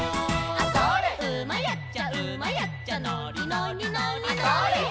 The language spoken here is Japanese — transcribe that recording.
「うまいやっちゃうまいやっちゃのりのりのりのり」「」